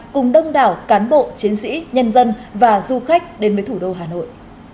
cùng đông đảo cán bộ chiến sĩ nhân dân và du khách đến với thủ đô hà nội